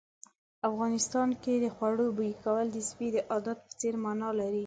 افغانستان کې د خوړو بوي کول د سپي د عادت په څېر مانا لري.